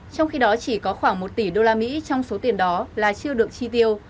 trong khi đó chỉ có khoảng một tỷ đô la mỹ trong số tiền đó là chưa được chi tiêu